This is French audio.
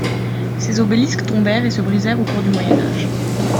Ces obélisques tombèrent et se brisèrent au cours du Moyen Âge.